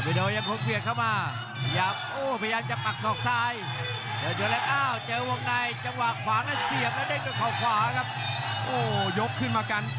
โอ้จังหวะฮุกซ้ายหลุดแล้วเจอแข้งขวาอ้าว